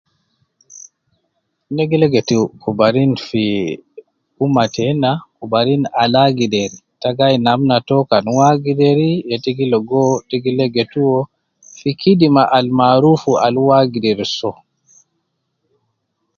Ne gi legetu kubarin fi ,umma tena, kubarin al agder, ta gi ayin namna to, kan uwo agderi ye ta logo, ta gi legetu uwo, fi kidima al maruf al uwo agder soo